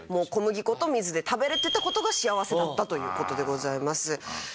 小麦粉と水で食べれてた事が幸せだったという事でございます。